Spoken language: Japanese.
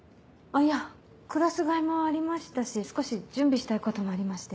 いやクラス替えもありましたし少し準備したいこともありまして。